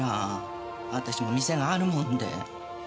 私も店があるもんで。